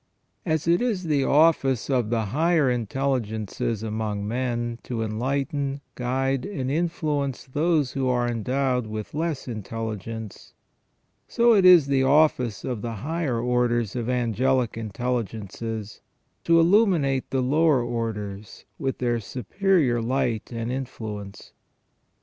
As it is the office of the higher intelligences among men to enlighten, guide, and influence those who are endowed with less intelligence, so is it the office of the higher orders of angelic intelligences to illuminate the lower orders with their superior light and influence.